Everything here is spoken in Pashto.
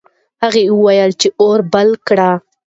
هغه وویل چې اور بل کړه.